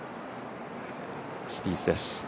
スピースです。